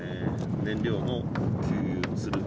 燃料を給油する。